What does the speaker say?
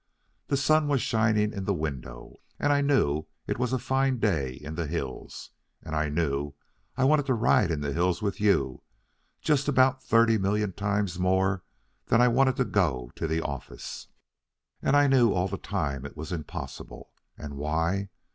The sun was shining in the window, and I knew it was a fine day in the hills. And I knew I wanted to ride in the hills with you just about thirty million times more than I wanted to go to the office. And I knew all the time it was impossible. And why?